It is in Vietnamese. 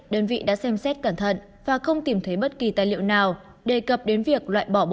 đơn vị đã xem xét cẩn thận và không tìm thấy bất kỳ tài liệu nào đề cập đến việc loại bỏ